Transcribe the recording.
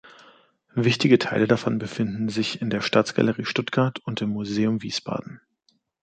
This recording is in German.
Wichtige Teile davon befinden sich in der Staatsgalerie Stuttgart und im Museum Wiesbaden.